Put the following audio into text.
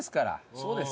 そうです。